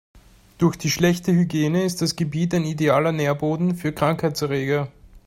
Durch die schlechte Hygiene ist das Gebiet ein idealer Nährboden für Krankheitserreger.